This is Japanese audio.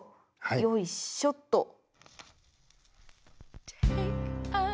よいしょっと。